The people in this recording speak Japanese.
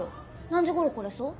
何時ごろ来れそう？